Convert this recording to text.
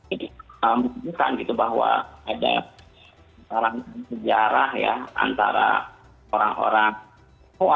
ini menunjukkan bahwa ada sejarah antara orang orang jawa